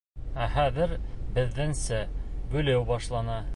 Ә хәҙер беҙҙеңсә бүлеү башлана.